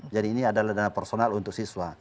jadi ini adalah dana personal untuk siswa